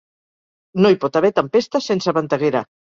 No hi pot haver tempesta sense venteguera.